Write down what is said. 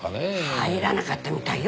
入らなかったみたいよ